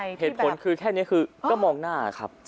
ใช่ครับเหตุผลแค่นี้คือก็มองหน้าครับ